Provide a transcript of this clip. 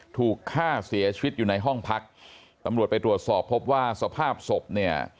ถูกฆ่าเสียชีวิตอยู่ในห้องพักตำรวจไปตรวจสอบพบว่าสภาพศพเนี่ย